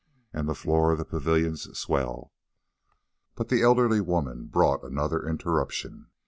An' the floor of the pavilion's swell." But the elderly woman brought another interruption.